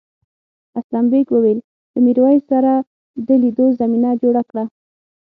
اسلم بېگ وویل له میرويس سره د لیدو زمینه جوړه کړه.